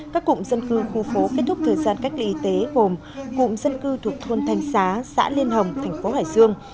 các cụm dân cư khu phố kết thúc thời gian cách ly y tế gồm cụm dân cư thuộc thôn thanh xá xã liên hồng thành phố hải dương